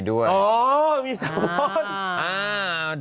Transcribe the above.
เช็ดแรงไปนี่